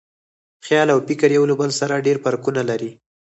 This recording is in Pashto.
خیال او فکر یو له بل سره ډېر فرقونه لري.